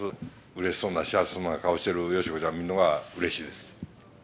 うれしそうな、幸せそうな顔してる佳子ちゃんを見るのがうれしいです。